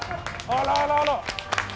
あららら。